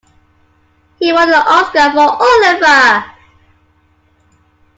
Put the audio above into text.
He won an Oscar for Oliver!